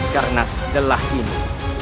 karena setelah ini